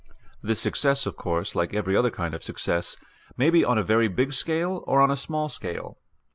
This success, of course, like every other kind of success, may be on a very big scale or on a small scale.